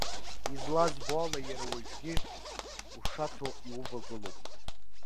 Излазбо ала, иара уажәгьы ушаҭо иувагылоуп.